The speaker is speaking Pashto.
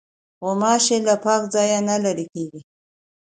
غوماشې له پاک ځای نه لیري کېږي.